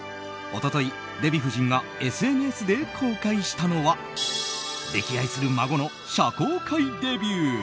一昨日、デヴィ夫人がＳＮＳで公開したのは溺愛する孫の社交界デビュー。